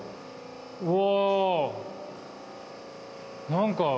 うわ。